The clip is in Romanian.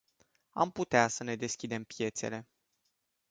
Am putea să ne deschidem piețele.